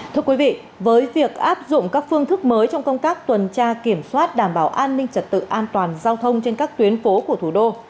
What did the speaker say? thưa quý vị với việc áp dụng các phương thức mới trong công tác tuần tra kiểm soát đảm bảo an ninh trật tự an toàn giao thông trên các tuyến phố của thủ đô